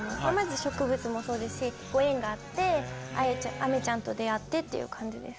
植物もそうですしご縁があってあめちゃんと出会ってっていう感じです。